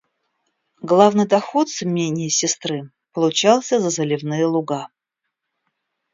Главный доход с имения сестры получался за заливные луга.